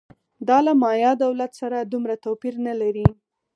دا له مایا دولت سره دومره توپیر نه لري